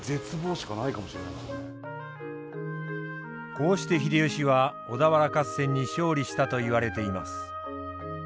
こうして秀吉は小田原合戦に勝利したといわれています。